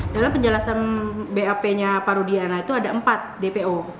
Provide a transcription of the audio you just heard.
dalam penjelasan bap nya pak rudiana itu ada empat dpo